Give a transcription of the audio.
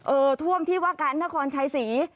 เออท่วมที่วะกะนครชัยศรี